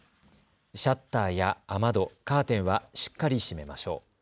シャッターや雨戸、カーテンはしっかり閉めましょう。